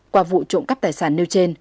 qua vụ trộm cắp tài sản nêu trên